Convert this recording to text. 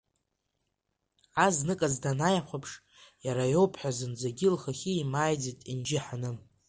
Азныказ данааихәаԥш иара иоуп ҳәа зынӡагьы лхахьы имааиӡеит Енџьы-Ҳаным.